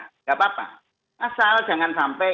tidak apa apa asal jangan sampai